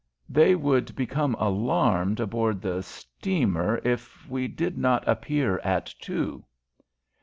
"They would become alarmed aboard the steamer if we did not appear at two."